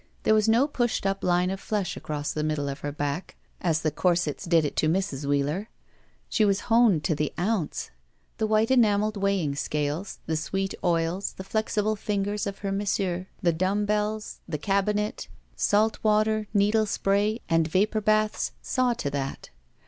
There was no pushed up line of flesh across the middle of her back, as the corsets did it to Mrs. Wheeler. She was honed to the oimce. The white enameled weighing scales, the sweet oils, the flexible fingers of her masseur, the dumb bells, the cabinet, salt water, needle spray, and vapor baths saw to that.